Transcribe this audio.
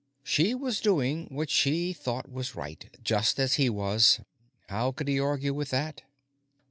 She was doing what she thought was right, just as he was; how could he argue with that?